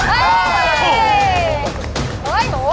โอ้โฮโอ้โฮโอ้โฮ